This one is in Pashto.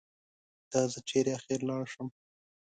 دا زه چېرې اخر لاړ شم؟